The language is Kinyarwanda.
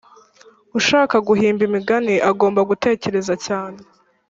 ushaka guhimba imigani agomba gutekereza cyane